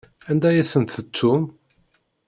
Anda ay tent-tettum?